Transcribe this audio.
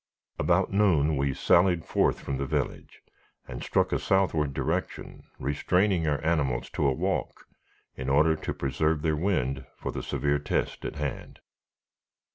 About noon we sallied forth from the village, and struck a southward direction, restraining our animals to a walk, in order to preserve their wind for the severe test at hand.